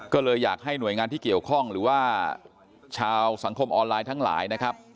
ก็เลยอยากให้หน่วยงานที่เกี่ยวข้องหรือว่าชาวสังคมออนไลน์ทั้งหลายนะครับ